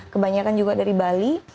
kebanyakan juga dari bali